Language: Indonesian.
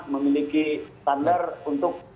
memiliki standar untuk